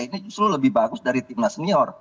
ini justru lebih bagus dari timnas senior